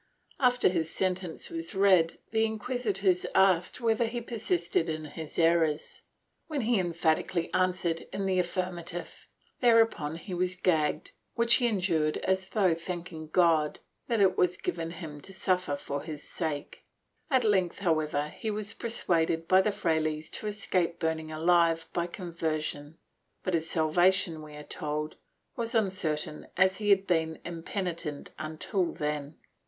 After his sentence was read, the inquisitors asked whether he persisted in his errors, when he emphatically answered in the affirmative. Thereupon he was gagged, which he endured as though thanking God that it was given him to suffer for His sake. At length, however, he was persuaded by the frailes to escape burning alive by conversion, but his salvation, we are told, was uncertain as he had been impeni tent until then.